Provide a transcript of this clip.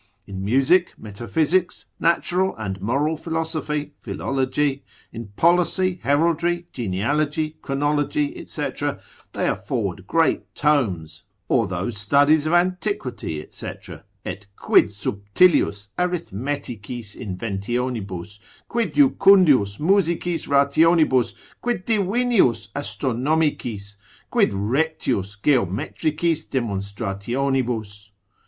In music, metaphysics, natural and moral philosophy, philology, in policy, heraldry, genealogy, chronology, &c., they afford great tomes, or those studies of antiquity, &c., et quid subtilius Arithmeticis inventionibus, quid jucundius Musicis rationibus, quid divinius Astronomicis, quid rectius Geometricis demonstrationibus?